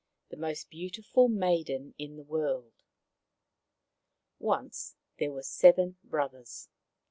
THE MOST BEAUTIFUL MAIDEN IN THE WORLD Once there were seven brothers.